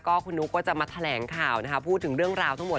คุณนุ๊กก็จะมาแถลงข่าวนะคะพูดถึงเรื่องราวทั้งหมด